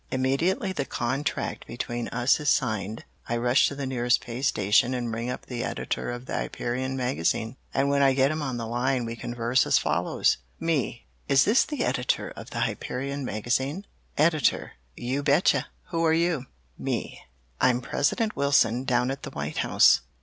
"Immediately the contract between us is signed, I rush to the nearest pay station and ring up the editor of the Hyperion Magazine, and when I get him on the line we converse as follows: "Me Is this the editor of the Hyperion Magazine? "Editor Ubetcha. Who are you? "Me I'm President Wilson, down at the White House.